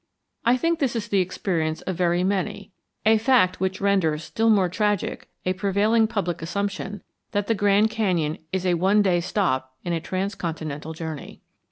I think this is the experience of very many, a fact which renders still more tragic a prevailing public assumption that the Grand Canyon is a one day stop in a transcontinental journey.